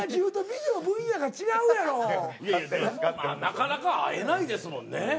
なかなか会えないですもんね。